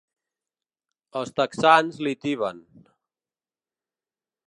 Els texans li tiben.